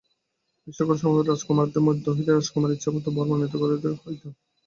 এই সকল সমবেত রাজকুমারদের মধ্য হইতে রাজকুমারীকে ইচ্ছামত বর মনোনীত করিতে হইত।